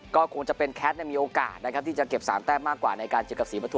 ก็คงจะเป็นแคทมีโอกาสนะครับที่จะเก็บ๓แต้มมากกว่าในการเจอกับศรีปฐุ